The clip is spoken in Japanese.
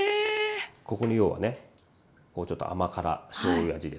ここに要はねこうちょっと甘辛しょうゆ味で。